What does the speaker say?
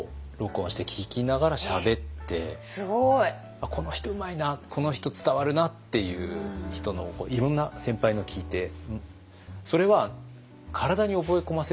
あっこの人うまいなこの人伝わるなっていう人のいろんな先輩の聴いてそれは体に覚え込ませるっていうんですかね。